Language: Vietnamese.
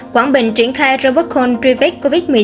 quảng bình triển khai robot khôn truy vết covid một mươi chín